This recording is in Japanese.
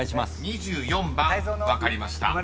［２４番分かりました］